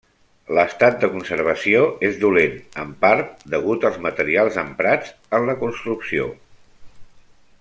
L'estat de conservació és dolent, en part degut als materials emprats en la construcció.